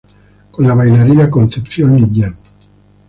Con la bailarina Concepción Liñán.